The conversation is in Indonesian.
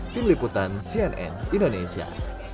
tim liputan cnn indonesia